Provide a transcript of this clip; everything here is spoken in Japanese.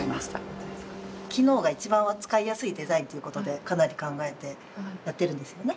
機能が一番使いやすいデザインということでかなり考えてやってるんですよね。